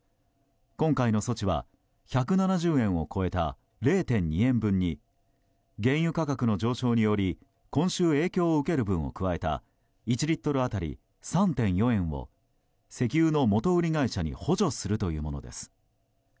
今回の措置は１７０円を超えた０．２円分に原油価格の上昇により今週、影響を受ける分を加えた１リットル当たり３．４円を石油の元売り会社に補助するというものです。